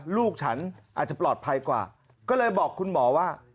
ลูกฉันอาจจะปลอดภัยกว่าก็เลยบอกคุณหมอว่า